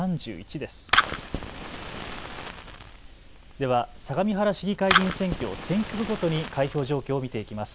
では、相模原市議会議員選挙を選挙区ごとに開票状況を見ていきます。